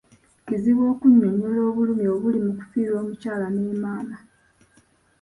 Kizibu okunnyonnyola obulumi obuli mu kufiirwa omukyala ne maama.